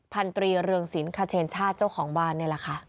พันตรีเรืองศิลปเชนชาติเจ้าของบ้านนี่แหละค่ะ